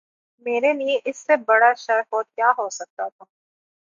میرے لیے اس سے بڑا شرف اور کیا ہو سکتا تھا